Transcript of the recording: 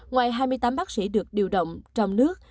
ngoài hai mươi tám bác sĩ được điều động trong nước